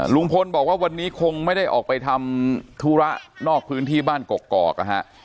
ลุงพลบอกว่าวันนี้คงไม่ได้ออกไปทำธุระนอกพื้นที่บ้านกกอกนะฮะ